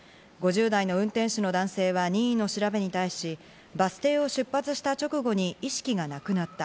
５０代の運転手の男性は任意の調べに対し、バス停を出発した直後に意識がなくなった。